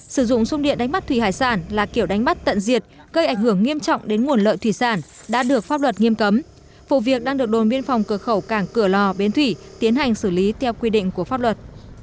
sử dụng sung điện đánh bắt thủy hải sản là kiểu đánh bắt tận diệt gây ảnh hưởng nghiêm trọng đến nguồn lợi thủy sản đã được pháp luật nghiêm cấm vụ việc đang được đồn biên phòng cửa khẩu cảng cửa lò bến thủy tiến hành xử lý theo quy định của pháp luật